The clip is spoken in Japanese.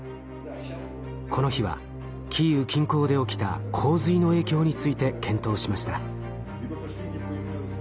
この日はキーウ近郊で起きた洪水の影響について検討しました。